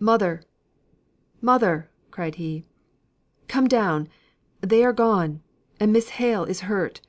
"Mother mother!" cried he; "Come down they are gone, and Miss Hale is hurt!"